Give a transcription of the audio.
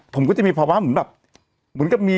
ผมก็จะมีภาวะเหมือนแบบ